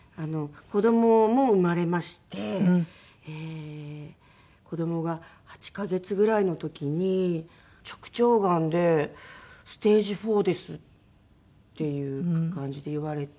子供も生まれまして子供が８カ月ぐらいの時に「直腸がんでステージⅣです」っていう感じで言われて。